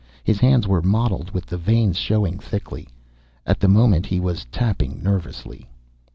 His hands were mottled with the veins showing thickly. At the moment he was tapping nervously.